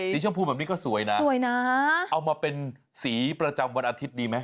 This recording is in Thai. ชมพูแบบนี้ก็สวยนะสวยนะเอามาเป็นสีประจำวันอาทิตย์ดีไหม